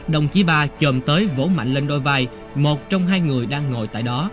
đồng chí ba chồm tới vũ mạnh lên đôi vai một trong hai người đang ngồi tại đó